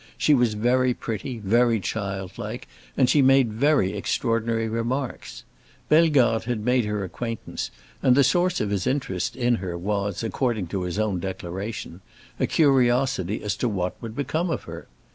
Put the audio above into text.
She was very pretty, very childlike, and she made very extraordinary remarks. Bellegarde had made her acquaintance, and the source of his interest in her was, according to his own declaration, a curiosity as to what would become of her.